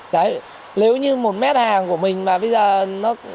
đấy nếu như một mét hàng của mình mà bây giờ nó